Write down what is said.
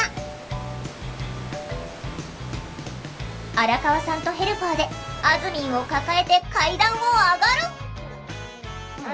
荒川さんとヘルパーであずみんを抱えて階段を上がる！